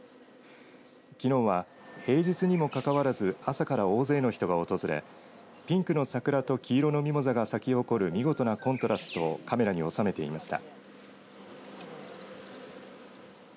きのうは平日にもかかわらず朝から大勢の人が訪れピンクの桜と黄色のミモザが咲き誇る見事なコントラストをカメラに収めていました。